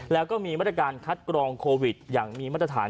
แล้วก็มีมาตรการคัดกรองโควิดอย่างมีมาตรฐาน